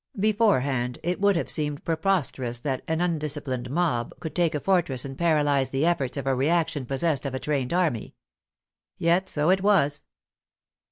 Beforehand, it would have seemed preposterous that " an undisciplined mob " could take a fortress and paralyze the efforts of a reac tion possessed of a trained army. Yet so it was.